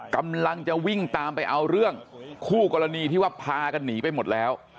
กำลังจะวิ่งตามไปเอาเรื่องคู่กรณีที่ว่าพากันหนีไปหมดแล้ว